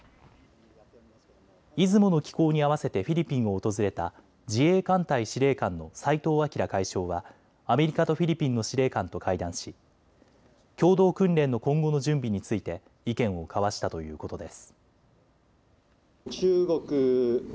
いずもの寄港に合わせてフィリピンを訪れた自衛艦隊司令官の齋藤聡海将はアメリカとフィリピンの司令官と会談し共同訓練の今後の準備について意見を交わしたということです。